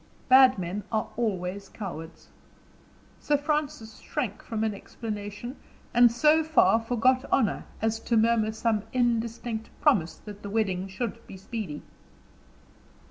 Bad men are always cowards. Sir Francis shrank from an explanation, and so far forgot honor as to murmur some indistinct promise that the wedding should be speedy.